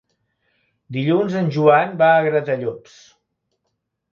Dilluns en Joan va a Gratallops.